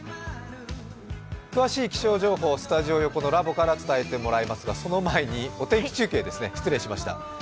詳しい気象情報をスタジオ横のラボからお伝えしてもらいますがその前にお天気中継ですね、失礼しました。